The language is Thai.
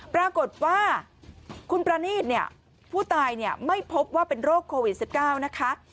ปรากฏว่าคุณประนีตเนี่ยผู้ตายไม่พบว่าเป็นโรคโควิด๑๙นะคะ